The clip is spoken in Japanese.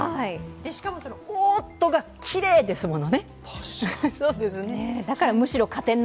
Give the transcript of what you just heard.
しかも、おーっとがきれいですもんね。